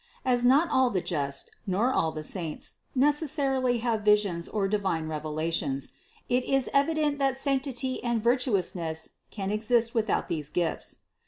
As not all the just, nor all the saints, necessarily have visions or divine revelations, it is evident that sanctity and virtuousness can exist without these gifts.